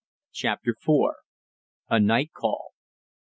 CHAPTER IV. A NIGHT CALL.